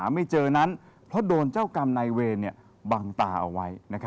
ไม่เจอนั้นเพราะโดนเจ้ากรรมนายเวรบังตาเอาไว้